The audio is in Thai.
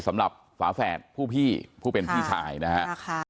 สำหรับฝาแฝดผู้พี่ผู้เป็นพี่สายนะฮะ